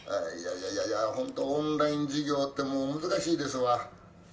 「いやいや本当オンライン授業ってもう難しいですわ。